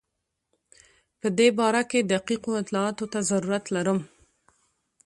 په دې باره کې دقیقو اطلاعاتو ته ضرورت لرم.